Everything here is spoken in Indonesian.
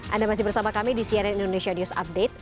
anda masih bersama kami di cnn indonesia news update